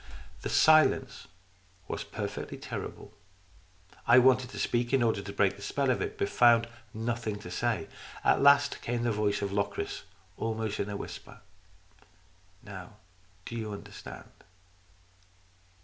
The silence was perfectly terrible. I wanted to speak, in order to break the spell of it, but found nothing to say. At last came the voice of Locris, almost in a whisper. " Now do you understand